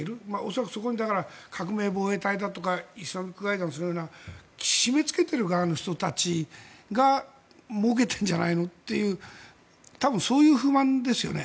恐らくそこに革命防衛隊だとかそういう締めつけている側の人たちがもうけているんじゃないのっていう多分、そういう不満ですよね。